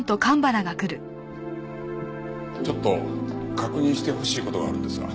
ちょっと確認してほしい事があるんですが。